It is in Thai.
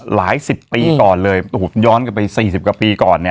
หลายสิบปีก่อนเลยโอ้โหย้อนกลับไป๔๐กว่าปีก่อนเนี่ย